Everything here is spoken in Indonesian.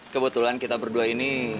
kebetulan kita berdua ini